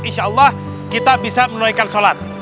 insya allah kita bisa menunaikan sholat